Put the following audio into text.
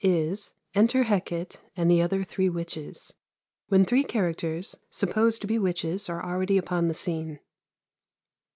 is, "Enter Hecate and the other three witches," when three characters supposed to be witches are already upon the scene.